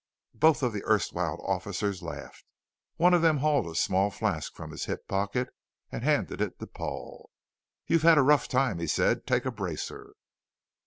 Both of the erstwhile officers laughed. One of them hauled a small flask from his hip pocket and handed it to Paul. "You've had a rough time," he said. "Take a bracer."